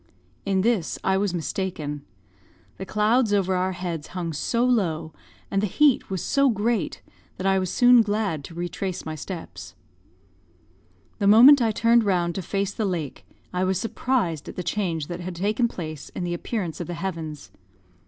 In this I was mistaken. The clouds over our heads hung so low, and the heat was so great, that I was soon glad to retrace my steps. The moment I turned round to face the lake, I was surprised at the change that had taken place in the appearance of the heavens.